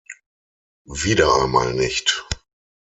Wieder einmal nicht.